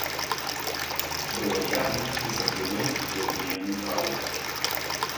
Был объявлен и соблюден трехдневный траур.